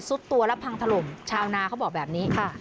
ซุดตัวและพังถล่มชาวนาเขาบอกแบบนี้ค่ะ